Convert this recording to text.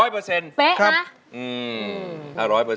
เป๊ะหรือ